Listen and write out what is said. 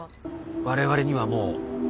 我々にはもう。